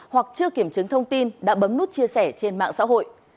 hoặc chưa kiểm chứng thông tin đã bấm nút chia sẻ trên mạng xã hội